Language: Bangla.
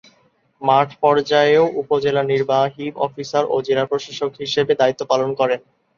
মাঠ পর্যায়েও উপজেলা নির্বাহী অফিসার ও জেলা প্রশাসক হিসেবে দায়িত্ব পালন করেন।